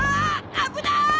危ない！